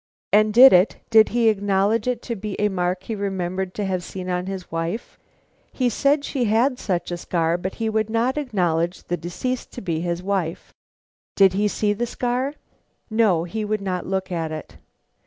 "And did it? Did he acknowledge it to be a mark he remembered to have seen on his wife?" "He said she had such a scar, but he would not acknowledge the deceased to be his wife." "Did he see the scar?" "No; he would not look at it."